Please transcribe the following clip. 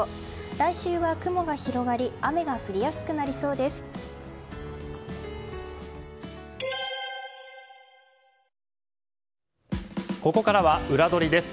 来週は雲が広がり雨が降りやすくなりそうです。